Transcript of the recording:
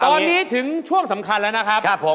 ตอนนี้ถึงช่วงสำคัญแล้วนะครับผม